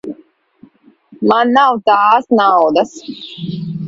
Man nav tās naudas.